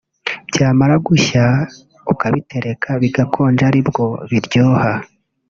byamara gushya ukabitereka bigakonja aribwo biryoha